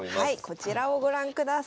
こちらをご覧ください。